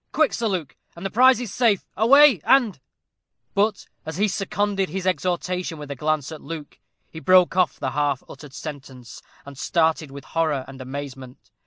"Quick, Sir Luke, and the prize is safe away, and " But as he seconded his exhortation with a glance at Luke, he broke off the half uttered sentence, and started with horror and amazement.